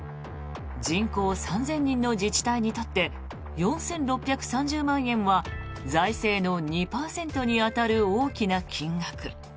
人口３０００人の自治体にとって４６３０万円は財政の２％に当たる大きな金額。